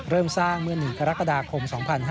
เริ่มสร้างเมื่อ๑กรกฎาคม๒๕๕๙